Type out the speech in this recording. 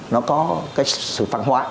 nó có cái sự phân hóa